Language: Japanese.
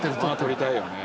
撮りたいよね。